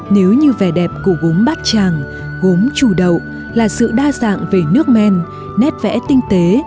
nếu như vẻ đẹp của gốm bát tràng gốm chủ đậu là sự đa dạng về nước men nét vẽ tinh tế